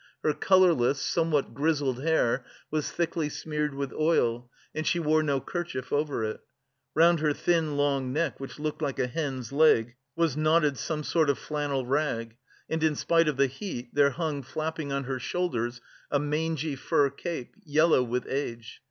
Her colourless, somewhat grizzled hair was thickly smeared with oil, and she wore no kerchief over it. Round her thin long neck, which looked like a hen's leg, was knotted some sort of flannel rag, and, in spite of the heat, there hung flapping on her shoulders, a mangy fur cape, yellow with age.